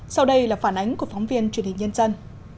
sau đây là phản ánh của phóng viên truyền hình nhân dân